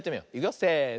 せの。